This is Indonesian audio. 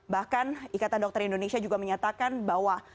bahkan ikatan dokter indonesia juga menyatakan bahwa